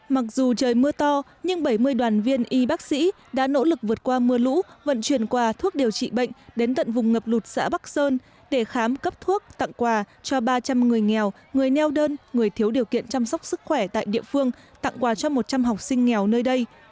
mặc dù trời mưa to nhưng bảy mươi đoàn viên y bác sĩ đã nỗ lực vượt qua mưa lũ vận chuyển quà thuốc điều trị bệnh đến tận vùng ngập lụt xã bắc sơn để khám cấp thuốc tặng quà cho ba trăm linh người nghèo người neo đơn người thiếu điều kiện chăm sóc sức khỏe tại địa phương tặng quà cho một trăm linh học sinh nghèo nơi đây